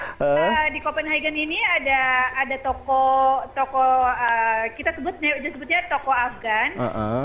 di copenhagen ini ada toko kita sebutnya toko afgan